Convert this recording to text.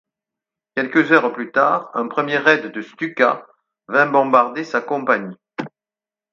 Quelques heures plus tard, un premier raid de Stukas vint bombarder sa compagnie.